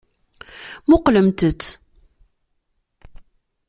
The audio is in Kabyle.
Muqqlemt-tt.